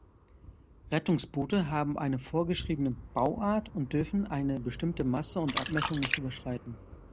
Rettungsboote haben eine vorgeschriebene Bauart und dürfen eine bestimmte Masse und Abmessung nicht überschreiten.